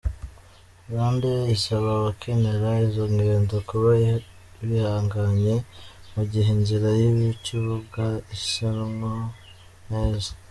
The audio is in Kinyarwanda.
Rwandair isaba abakenera izo ngendo kuba bihanganye mu gihe inzira y’ikibuga igisanwa neza.